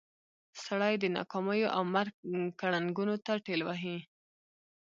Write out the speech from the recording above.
سړی د ناکاميو او مرګ ګړنګونو ته ټېل وهي.